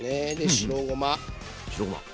白ごま。